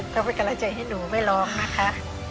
ต้องไปกำลังจะให้หนูไม่ร้องนะคะ